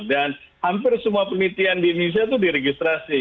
dan hampir semua penelitian di indonesia itu diregistrasi